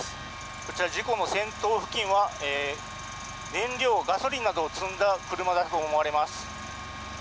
こちら事故の先頭付近は燃料・ガソリンなどを積んだ車だと思われます。